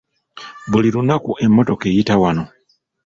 Buli lunaku emmotoka eyita wano.